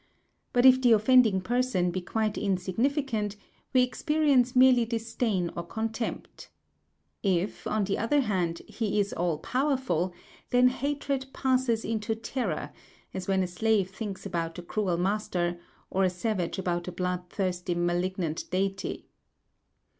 But if the offending person be quite insignificant, we experience merely disdain or contempt. If, on the other hand, he is all powerful, then hatred passes into terror, as when a slave thinks about a cruel master, or a savage about a bloodthirsty malignant deity.